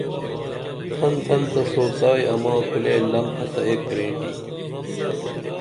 تھن تھن تہ سوتائی اماں کُرے لمپھہ تہ ایک گریٹی